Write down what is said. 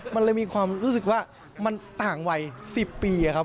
มันเลยมีความรู้สึกว่ามันต่างวัย๑๐ปีครับ